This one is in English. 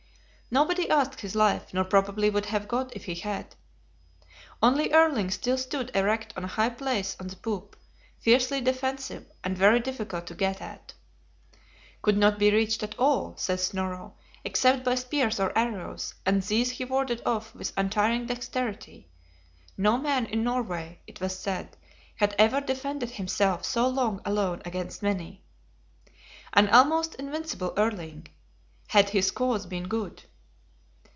Nobody asked his life, nor probably would have got it if he had. Only Erling still stood erect on a high place on the poop, fiercely defensive, and very difficult to get at. "Could not be reached at all," says Snorro, "except by spears or arrows, and these he warded off with untiring dexterity; no man in Norway, it was said, had ever defended himself so long alone against many," an almost invincible Erling, had his cause been good.